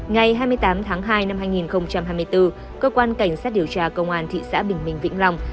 ngày hai mươi tám tháng hai năm hai nghìn hai mươi bốn cơ quan cảnh sát điều tra công an thị xã bình minh vĩnh long